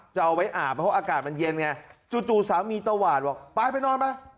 จะเอาไว้อาบเพราะอากาศมันเย็นไงจู่สามีตวาดบอกไปไปนอนไป